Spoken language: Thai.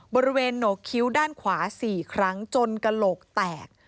โหนกคิ้วด้านขวา๔ครั้งจนกระโหลกแตก